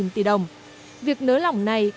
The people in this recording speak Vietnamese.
sáu mươi hai tỷ đồng việc nới lỏng này